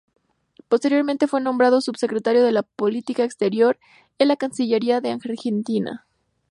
Posteriormente fue nombrado Subsecretario de Política Exterior en la Cancillería argentina.